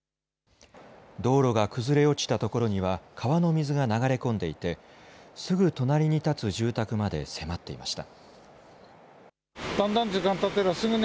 道路が崩れ落ちたところには川の水が流れ込んでいてすぐ隣に建つ住宅まで迫っていました。